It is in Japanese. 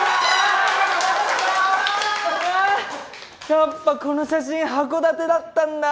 やっぱこの写真函館だったんだ。